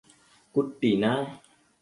কুট্টি, না!